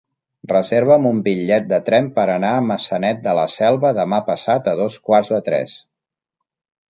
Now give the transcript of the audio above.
Reserva'm un bitllet de tren per anar a Maçanet de la Selva demà passat a dos quarts de tres.